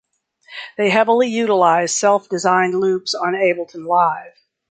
They heavily utilize self-designed loops on Ableton Live.